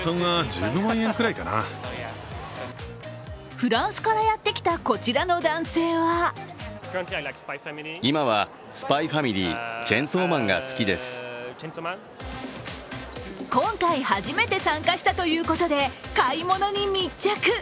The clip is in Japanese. フランスからやってきたこちらの男性は今回初めて参加したということで買い物に密着。